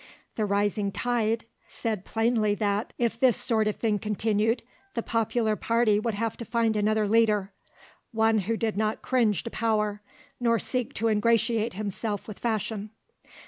THE RISING TIDE said plainly that, if this sort of thing continued, the Popular party would have to find another leader, "One who did not cringe to power nor seek to ingratiate himself with fashion."